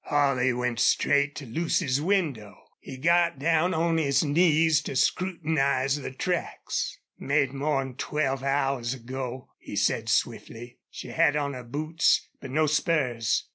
Holley went straight to Lucy's window. He got down on his knees to scrutinize the tracks. "Made more 'n twelve hours ago," he said, swiftly. "She had on her boots, but no spurs....